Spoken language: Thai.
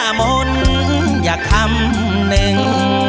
อย่าหม้นอย่าคำหนึ่ง